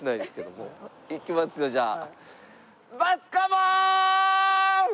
いきますよじゃあ。